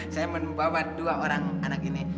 saya membawa dua orang anak ini